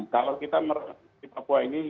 kalau kita di papua ini